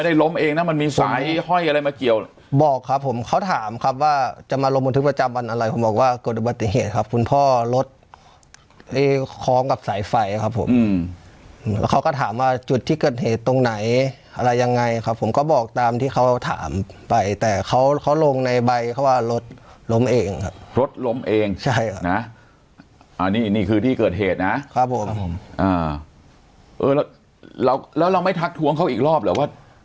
ได้ล้มเองนะมันมีสายห้อยอะไรมาเกี่ยวบอกครับผมเขาถามครับว่าจะมาลงบนทึกประจำวันอะไรผมบอกว่ากฎบติเหตุครับคุณพ่อรถคล้องกับสายไฟครับผมอืมแล้วเขาก็ถามว่าจุดที่เกิดเหตุตรงไหนอะไรยังไงครับผมก็บอกตามที่เขาถามไปแต่เขาเขาลงในใบเขาว่ารถล้มเองครับรถล้มเองใช่ครับน่ะอ่านี่นี่คือที่เกิดเหตุน่ะครับผมอ